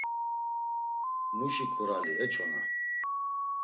Muşi ǩurali e çona!